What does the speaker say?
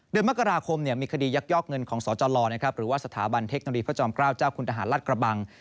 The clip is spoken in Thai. เดือนมกราคมมีคดียักยอกเงินของสจลหรือว่าสถาบันเทคโนโลยีพระจอมเกล้าเจ้าคุณทหารรัฐกระบัง